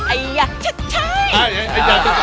ไอ้ยะชัดชัย